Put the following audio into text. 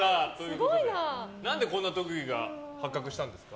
何でこんな特技が発覚したんですか？